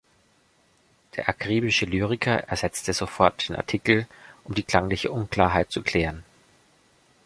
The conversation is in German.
Der akribische Lyriker ersetzte sofort den Artikel, um die klangliche Unklarheit zu klären.